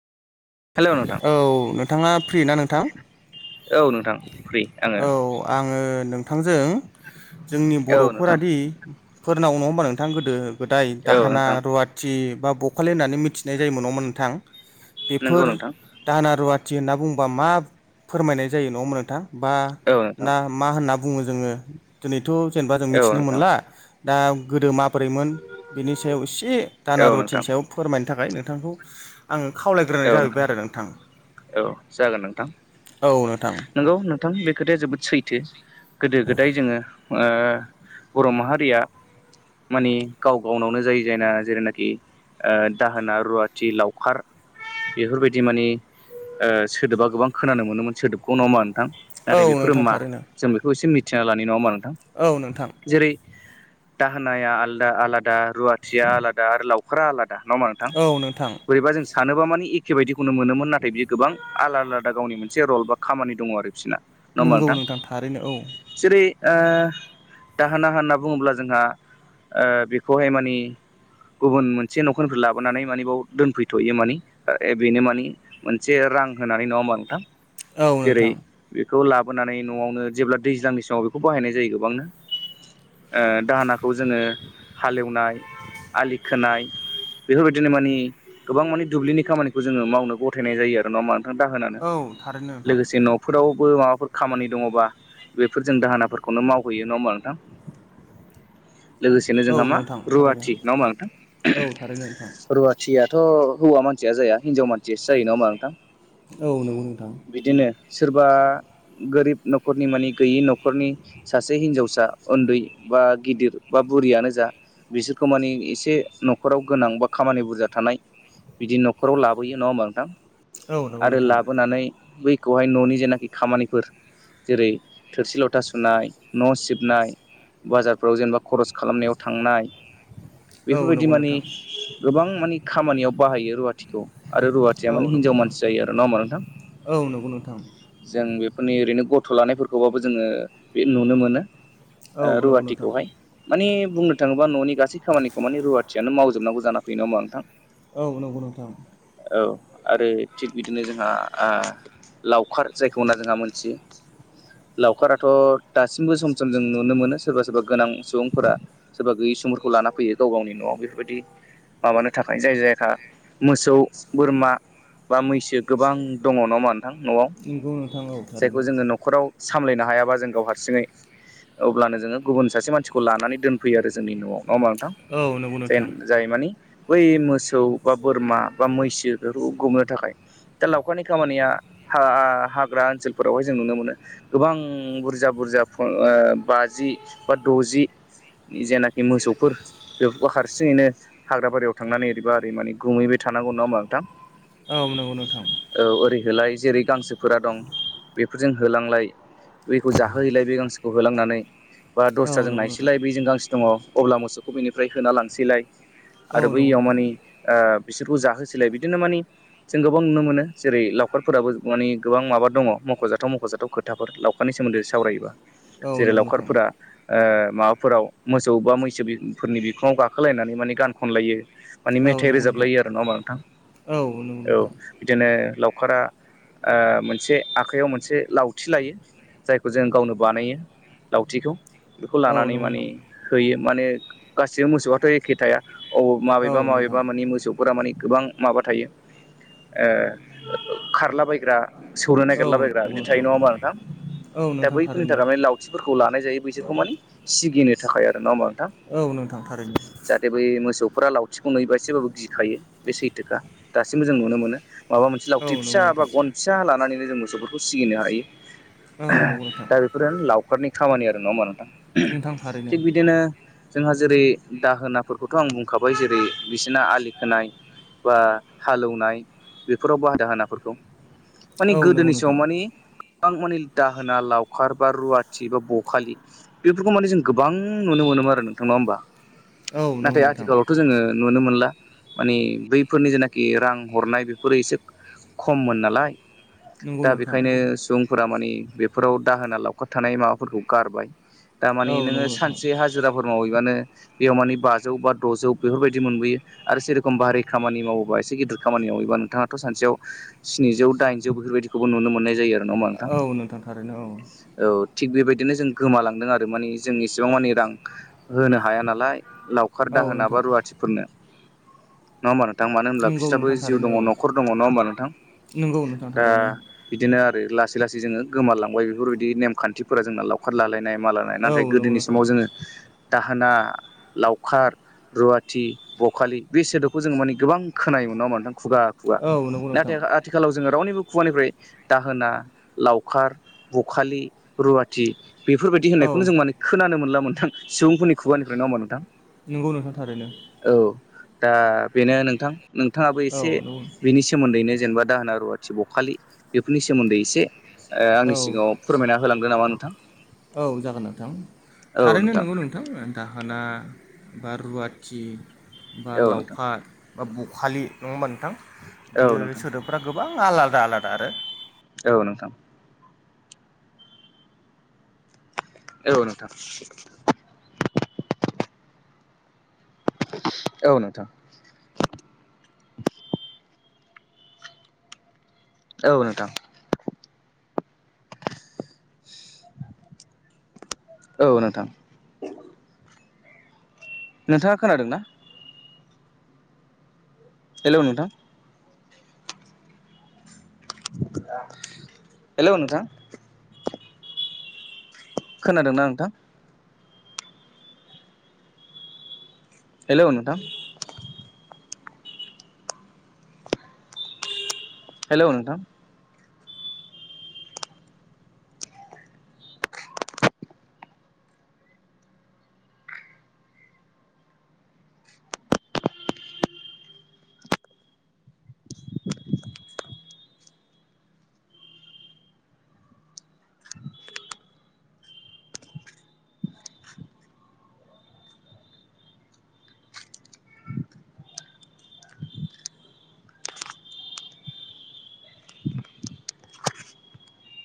Hello नोंथां औ नोंथाङा फ्रिना नोंथां? औ नोंथां फ्रि आङो। औ आङो नोंथांजों जोंनि औ नोंथां बर'फोरादि फोरनाव नङा हबा नोंथां गोदो गोदाय औ दाहोना नोंथां रुवा थि बा बखालि होननानै मिथिनाय जायोमोन नङा होबा नोंथां बेफोर नंगौ नोंथां दाहाना रुवाथि होनना बुंङबा मा फोरमायनाय जायो नङोन नोंथां बा औ नोंथां ना मा होनना बुङो जोङो दिनैथ' जेनेबा जों औ मिथिनो नोंथां मोनला दा गोदो मा माब्रैमोन बिनि सायाव एसे औ दानारुवाथिनि नोंथां सायाव फोरमायनो थाखाय नोंथांखौ आं खावलायग्रोनाय जाहैबाय आरो नोंथां औ औ नों नोंगौ नोंथां बे खोथाया जोबोद सैथो। गोदो गोदाय जोङो ओ बर' माहारिया मानि गाव गावनावनो जायो जायना जेरनाखि दाहोना रुवाथि लावखार बेफोरबायदि मानि ओ सोदोबा खोनानो मोनोमोन सोदोबखौ नङा होनबा नोंथां? औ नाथाय बेफोरो नोंथां मा थारैनो जों बेखौ एसे मिथिना लानाय नङा होनबा नोंथां। औ नोंथां जेरै दाहोना आलदा आलादा रुवाथिया आलादा आरो लाव खारा आलादा नङा होनबा नोंथां? औ नोंथां बोरैबा जों सानोबा मानि एखे बायदिखौनो मोनोमोन नाथाय बियो गोबां आलादा आलदा गावनि मोनसे रल बा खामानि दङ आरो बिसोरना नंगौ नङा नोंथां थारैनो औ होमबा जेरै ओ दाहोना होनना बुङोब्ला जोंहा ओ बेखौहाय मानि गुबुन मोनसे न'खरफोर लाबोनानै मानेबाव दोनफै थ'यो मानि ओ ओ बेनो मानि मोनसे रां होनानै नङा होमबा नोंथां? औ जेरै नोंथां बेखौ लाबोनानै न'आवनो जेब्ला दैज्लांनि समाव बेखौ बाहायनाय जायो गोबांनो। ओ दाहोनाखौ जोङो हालएवनाय आलि खोनाय बेफोरबायदिनो मानि गोबां मानि दुब्लिनि खामानिखौ जोङो मावनो गथायनाय जायो आरो नङा होनबा नोंथां दाहोनानो औ थारैनो नोंथां लोगोसे न'फोरावबो माबाफोर खामानि दङबा बेफोरजों दाहोनाफोर खौनो मावहैयो नङा होमबा नोंथां? लोगोसेनो जोंहा औ मा नोंथां थारैनो रुवाथि नङा होनबा नोंथां। औ थारैनो नोंथां रुवा थियाथ' हौवा मानसिया जाया हिनजाव मानसियासो जायो नङा होमबा नोंथां। औ नंगौ नोंथां। बिदिनो सोरबा गोरिब न'खरनि मानि गैयि न'खरनि सासे हिनजावसा। उन्दै बा गिदिर बा बुरियानो जा बिसोरखौ मानि एसे न'खराव गोनां बा खामानि बुरजा थानाय बिदि न'खराव लाबोयो नङा होमबा नोंथां औ नंगौ आरो नोंथां लाबोनानै बैखौहाय न'नि जेनाखि खामानिफोर जेरै थोरसि लथा सुनाय न' सिबनाय बाजारफ्राव जेनेबा ख'रस खालामनायाव थांनाय औ बेफोरबायदि नंगौ मानि नोंथां गोबां मानि खामानियाव बाहायो रुवा थिखौ आरो रुवाथियानो औ नंगौ हिनजाव मानसि नोंथां जायो आरो नङा होमबा नोंथां। औ नंगौ नोंथां जों बेफोरनि ओरैनो गथ' लानायफोरखौबाबो जोङो बे नुनो मोनो। ओ औ नंगौ नोंथां रुवाथिखौहाय। माने बुंनो थाङोबा न'नि गासै खामानिखौ माने रुवाथियानो मावजोबनांगौ जा फैयो नङा होनबा नोंथां? औ नंगौ नोंथां औ आरो थिग बिदिनो जोंहा आ लावखार जायखौ होनना जोंहा मोनथियो। लावखाराथ' दासिमबो सम सम जों नुनो मोनो सोरबा सोरबा गोनां सुबुंफोरा सोरबा गैयि सुमुरखौ लाना फैयो गाव गावनि न'आव बेफोरबायदि माबानो थाखाय जाय जायफ्रा मोसौ बोरमा बा मैसो गोबां दङ नङा होन नोंथां न'आव नंगौ नोंथां औ जायखौ थारैनो जोङो न'खराव सामलायनो हायाबा जों गाव हारसिङै अब्लानो जोङो गुबुन सासे मानसिखौ लानानै दोनफैयो आरो जोंनि न'आव नङा थां औ नंगौ नोंथां जाय-जाय मानि बै मोसौ बा बोरमा बा मैसो बेफोरखौ गुमनो थाखाय। दा लावखारनि खामानिया हा-हाग्रा ओनसोलफोराव जों नुनो मोनो गोबां बुरजा बुरजा बाजि बा द'जि जेनाखि मोसौफोर बेफोरखौ हारसिङैनो हाग्रा बारियाव थांनानै ओरैबा ओरै माने गुमैबाय थानांगौ नङा होनबा नोंथां? औ नंगौ नोंथां। औ ओरैहोलाय जेरै गांसोफोरा दं बेफोरजों होलांलाय बेखौ जाहोहैलाय बे गांसोखौ होलांनानै बा औ दस्राजों नंगौ नोंथां नायसैलाय बजों गांसो दङ अब्ला मोसौखौ बेनिफ्राय होना लांसैलाय। औ आरो नंगौ नोंथां बैयाव मानि बिसोरखौ जाहोसैलाय बिदिनो मानि जों गोबां नुनो मोनो जेरै लावखारफोराबो माने गोबां माबा दङ मख'जाथाव मख'जाथाव खोथाफोर लावखारनि सोमोन्दै सावरायोबा औ जेरै नंगौ नोंथां लावखारफोरा ओ माबाफोराव मोसौ बा मैसोफोरनि बिखुङाव गाखोलायनानै माने गान खनलायो। माने औ मेथाइ नंगौ रोजाबलायो नोंथां आरो नङा होमबा नोंथां औ नंगौ औ। नोंथां बिदिनो लावखारा ओ मोनसे आखाइयाव मोनसे लावथि लायो। जायखौ जों गावनो बानायो लावथिखौ। बेखौ औ लानानै नंगौ माने नोंथां होयो माने गासिबो मोसौआथ एखे थाया औ माबेबा औ माबेबा नोंथां माने मोसौ फोरा मानि गोबां माबा थायो ओ खारलाबायग्रा सौनो औ नागिरलाबायग्रा नंगौ बिदि थायो नोंथां नङा होमबा नोंथां औ दा नोंथां बैफोरनि थारैनो थाखाय माने लावथि फोरखौ लानाय जायो बैसोरखौ माने सिगिनो थाखाय आरो नङा होमबा नोंथां। औ नोंथां थारैनो। जे बै मोसौफ्रा लावथिखौ नुयोबा एसेबाबो गिखायो बे सैथोखा दासिमबो जों नुनो मोनो। माबा मोनसे औ लावथि नंगौ फिसा बा नोंथां गन फिसा लानानैनो जों मोसौफोरखौ सिगिनो हायो। औ नंगौ नोंथां दा बेफोरो लावखारनि खामानि आरो नङा होमबा नोंथां नोंथां थारैनो थिग बिदिनो जोंहा जेरै दाहोनाफोरखौथ आं बुंखाबाय जेरै बिसोरना आलि खोनाय बा हालेवनाय बेफोराव बा दाहोना फोरखौ माने औ नंगौ गोदोनि समाव नोंथां माने गोबां माने दाहोना लावखार बा रुवाथि बा बखालि बेफोरखौ माने जों गोबां नुनो मोनोमोन आरो नोंथां नङा होमबा औ नंगौ नाथाय नोंथां आथिखालावथ' खौ जोङो नुनो मोनला माने बैफोरनि जेनाखि रां हरनाय बेफोरो एसे खममोन नालाय नंगौ दा नोंथां बेखायनो सुबुंफोरा माने बेफोराव दाहोना लावखार थानाय माबाफोरखौ गारबाय। दा माने औ नोङो नंगौ नोंथां सानसे हाजिराफोर मावहैबानो बेयाव माने बा जौ बा द'जौ बेफोरबायदि मोनबोयो। आरो जेरखम भारि खामानि मावोबा एसे गिदिर खामानि मावहैबा नोंथाङाथ सानसेयाव स्निजौ दाइनजौ बेफोरबायदिखौबो नुनो मोननाय जायो आरो नङा होमबा नोंथां? औ थारैनो औ औ थिग बेबायदिनो जों गोमालांदों आरो मानि जों एसेबां मानि रां होनो हाया नालाय। लावखार औ दाहोना बा नोंथां रुवाथिफोरनो। नङा होमबा नोंथां मानो होनब्ला नंगौ बिस्राबो नोंथां जिउ थारैनो दङ औ नखर दङ नङा होमबा नोंथां? नंगौ नोंथां दा थारैनो। बिदिनो आरो लासै लासै जोङो गोमालांबाय बेफोरबायदि नेमखान्थिफोरा जोंना लावखार लालायनाय मा लानाय औ नाथाय नंगौ गोदोनि नोंथां समाव जोङो दाहोना खार रुवाथि बखालि बे सोदोबखौ जोङो माने गोबां खोनायोमोनो नङा होमबा नोंथां खुगा खुगा औ नंगौ नोंथां नाथाय आथिखालाव जोङो रावनिबो खुगानिफ्राय दाहोना लावखार बखालि रुवाथि बेफोरबायदि औ होननायखौनो जों माने खोनानो मोनला मोनथां सुबुंफोरनि खुगानिफ्राय नङा होनबा नोंथां नोंगौ नोंथां थारैनो औ दा बेनो नोंथां नोंथाङाबो औ एसे नंगौ बिनि सो सोमोन्दैनो जेनेबा दाहोना रुवाथि बखालि बेफोरनि सोमोन्दै एसे ओ आंनि औ सिगाङाव फोरमायना होलांदो नामा नोंथां औ जागोन नोंथां थारैनो नंगौ नोंथां थां दाहोना बा रुवाथि बा औ नोंथां लावखार बा बखालि नङा होमबा नोंथां औ बियो नोंथां सोदोबफ्रा गोबां आलादा आलादा आरो औ नोंथां औ‌ नोंथां औ नोंथां औ नोंथां औ नोंथां नोंथाङा खोनादों ना हेलौ नोंथां हेलौ नोंथां खोनादोंना नोंथां हेलौ नोंथां हेलौ नोथां